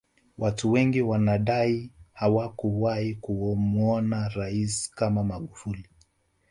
Watu wengi wanadai hawakuwahi kumuona rais kama magufuli